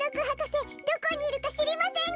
どこにいるかしりませんか？